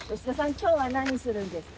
今日は何するんですか？